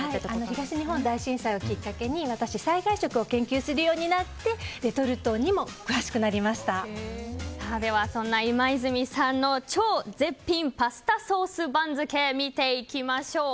東日本大震災をきっかけに災害食を研究するようになってそんな今泉さんの超絶品パスタソース番付見ていきましょう。